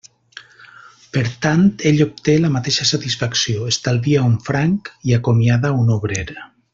Per tant, ell obté la mateixa satisfacció, estalvia un franc i acomiada un obrer.